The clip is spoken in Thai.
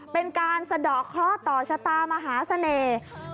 เป็นการสะดอกเคราะห์ต่อชะตามหาเสน่ห์